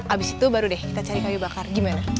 abis itu baru deh kita cari kayu bakar gimana